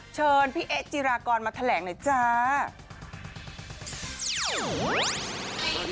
เชิญพี่เอ๊ะจิรากรมาแถลงหน่อยจ้า